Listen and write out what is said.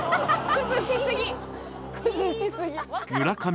崩しすぎ！